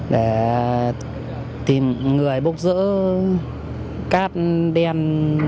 để tìm người bốc rỡ cát đen